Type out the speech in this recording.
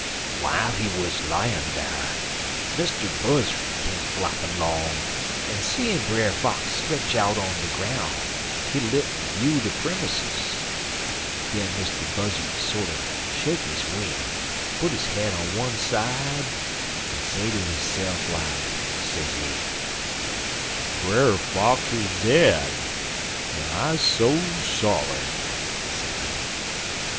"While he wuz layin' dar, Mr. Buzzard come floppin' 'long, en seein' Brer Fox stretch out on de groun', he lit en view de premusses. Den Mr. Buzzard sorter shake his wing, en put his head on one side, en say to hisse'f like, sezee: "'Brer Fox dead, en I so sorry,' sezee.